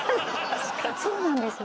そうなんですよ。